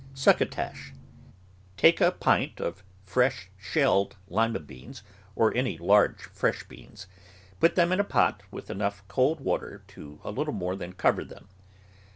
SUCCOTASH Take a pint of fresh shelled Lima beans, or any large, fresh beans; put them in a pot with enough cold water to a little more than cover them.